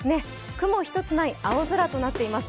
雲一つない青空となっています。